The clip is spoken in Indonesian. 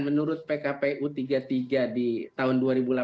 menurut pkpu tiga puluh tiga di tahun dua ribu delapan belas